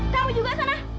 kamu juga senang